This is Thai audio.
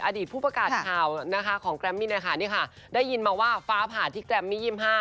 อัดีตผู้ประกาศของกลั๊มมินะคะได้ยินมาว่าฟ้าผ่าที่กลั๊มมิ๒๕